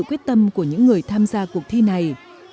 và sự quyết tâm của những người tham gia cuộc thi này